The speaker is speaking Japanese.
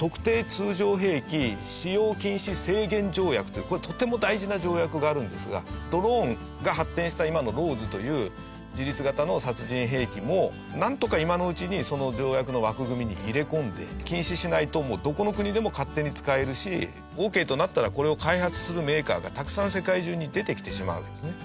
通常兵器使用禁止制限条約というとても大事な条約があるのですがドローンが発展した今のＬＡＷＳという自律型の殺人兵器もなんとか今のうちに条約の枠組みに入れ込んで禁止しないともうどこの国でも勝手に使えるしオーケーとなったらこれを開発するメーカーがたくさん世界中に出てきてしまうわけですね。